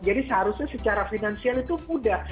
jadi seharusnya secara finansial itu mudah